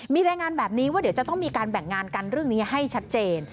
มีรายงานแบบนี้ว่าเดี๋ยวจะต้องมีการแบ่งงานกันเรื่องนี้ให้ชัดเจน